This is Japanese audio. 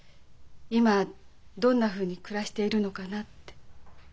今どんなふうに暮らしているのかなって。